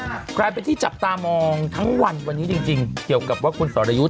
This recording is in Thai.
กลายเป็นที่จับตามองทั้งวันวันนี้จริงจริงเกี่ยวกับว่าคุณสอรยุทธ์